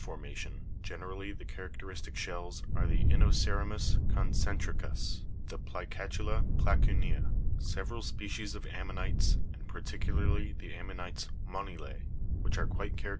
formation generally, the characteristic shells are the inoce'ramus conce'ntricus (fig. 127), the plica'tula placu'nea (Jig 128), seve ral species of ammonites, and particularly the ammonites monile (Jig 129), which is quite characteristic.